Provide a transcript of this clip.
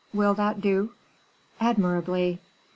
Will that do?" "Admirably."